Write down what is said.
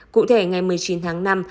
cụ thể ngày một mươi chín tháng năm